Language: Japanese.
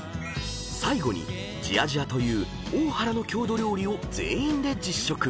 ［最後にじあじあという大原の郷土料理を全員で実食］